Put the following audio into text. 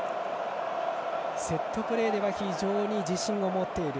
セットプレーでは非常に自信を持っている。